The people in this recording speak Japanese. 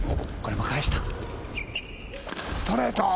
ストレート！